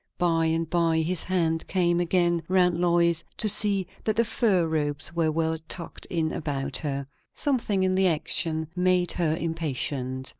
By and by his hand came again round Lois to see that the fur robes were well tucked in about her. Something in the action made her impatient.